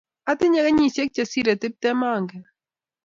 Atinye kenyisiek che sirei tiptem angen